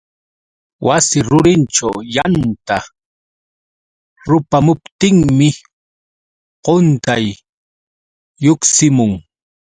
Wasi rurinćhu yanta rupamuptinmi quntay lluqsimun.